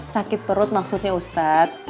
sakit perut maksudnya ustaz